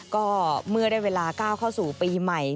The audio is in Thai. ก็เมื่อได้เวลาก้าวเข้าสู่ปีใหม่